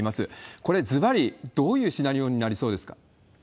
これ、ずばりどういうシナリオになりそうですか。